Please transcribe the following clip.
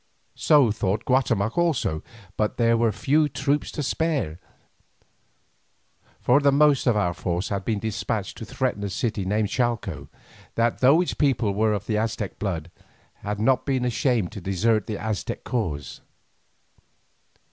So thought Guatemoc also, but there were few troops to spare, for the most of our force had been despatched to threaten a city named Chalco, that, though its people were of the Aztec blood, had not been ashamed to desert the Aztec cause.